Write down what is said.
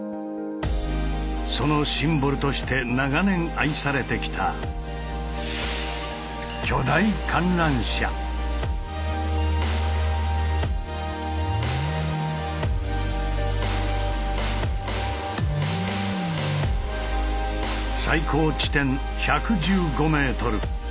そのシンボルとして長年愛されてきた最高地点１１５ｍ。